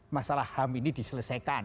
masalah ham ini diselesaikan